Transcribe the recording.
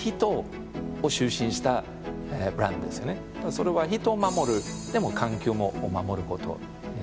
それは人を守るでも環境も守ることになります。